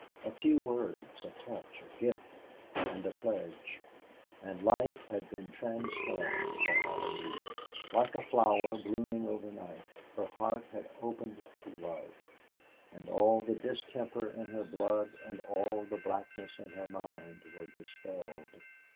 A few words, a touch, a gift, and a pledge and life had been transformed for Allie Lee. Like a flower blooming overnight, her heart had opened to love, and all the distemper in her blood and all the blackness in her mind were dispelled.